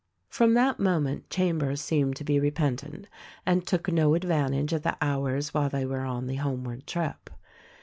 From that moment Chambers seemed to be repentant, and took no advantage of the hours while they were on the home ward trip.